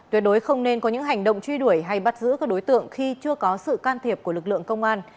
tuyệt đối không nên có những hành động truy đuổi hay bắt giữ các đối tượng khi chưa có sự can thiệp của lực lượng công an